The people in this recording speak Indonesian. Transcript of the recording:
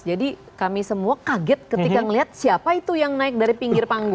kami semua kaget ketika melihat siapa itu yang naik dari pinggir panggung